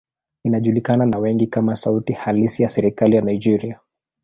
Inajulikana na wengi kama sauti halisi ya serikali ya Nigeria.